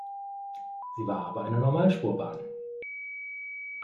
Sie war aber eine Normalspurbahn.